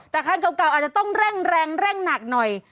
แต่คันเก่าอาจจะต้องเร่งแรงเร่งหนักหน่อย